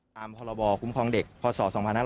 ตามพลคุ้มครองเด็กพศ๒๕๔๖